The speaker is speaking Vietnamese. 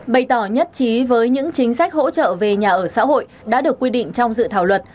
bày tỏ nhất trí với những chính sách hỗ trợ về nhà ở xã hội đã được quy định trong dự thảo luật